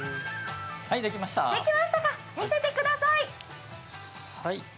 できましたか、見せてください。